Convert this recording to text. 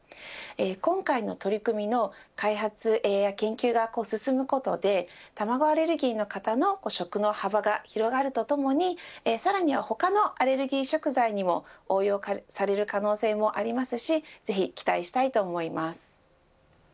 今回の取り組みの開発研究が進むことで卵アレルギーの方の食の幅が広がるとともにさらには他のアレルギー食材にも応用される可能性がありますしぜひ期待したいと思います。